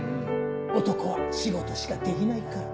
男は仕事しかできないから。